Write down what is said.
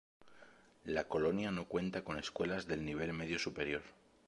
La colonia no cuenta con escuelas del nivel medio superior.